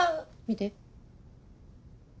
見て。